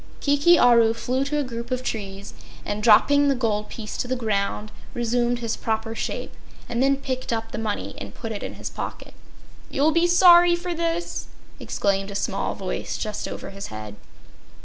Kiki Aru flew to a group of trees and, dropping the gold piece to the ground, resumed his proper shape, and then picked up the money and put it in his pocket. "You'll be sorry for this!" exclaimed a small voice just over his head.